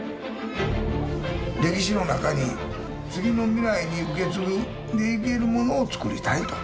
歴史の中に次の未来に受け継いでいけるものをつくりたいと。